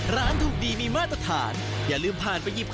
และสุดท้าย๕สิงหาคมนี้